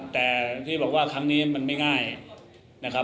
แต่ที่บอกว่าครั้งนี้มันไม่ง่ายนะครับ